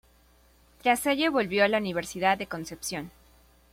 Tras ello volvió a la Universidad de Concepción.